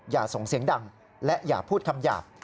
อย่าส่งเสียงดังและอย่าพูดคำหยาบ